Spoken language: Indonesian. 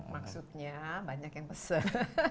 maksudnya banyak yang pesen